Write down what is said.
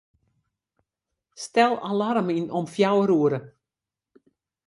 Stel alarm yn om fjouwer oere.